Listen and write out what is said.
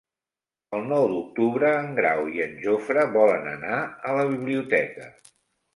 El nou d'octubre en Grau i en Jofre volen anar a la biblioteca.